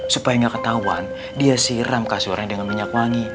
supaya nggak ketahuan dia siram kasurnya dengan minyak wangi